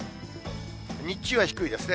日中は低いですね。